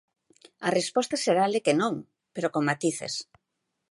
A resposta xeral é que non, pero con matices.